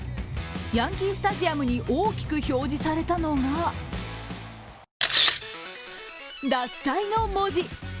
ヤンキースタジアムに大きく表示されたのが獺祭の文字。